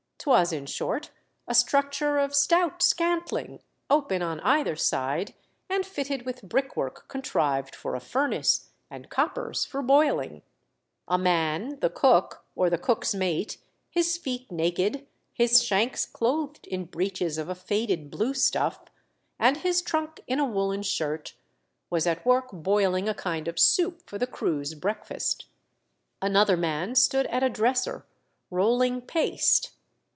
'Twas, in short, a structure of stout scantling, open on either side, and fitted with brick work contrived for a furnace and coppers for boiling. A man — the cook, or the cook's mate — his feet naked, his shanks clothed in breeches of a faded blue stuff, and his trunk in a woollen shirt — was at work boiling a kind of soup for the crew's break fast. Another man stood at a dresser, rolling paste.